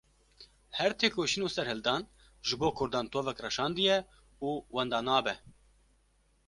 Her têkoşîn û serhildan ji bo kurdan tovek reşandiye û wenda nabe.